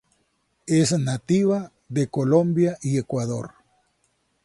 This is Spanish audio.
Es nativa de Colombia y Ecuador.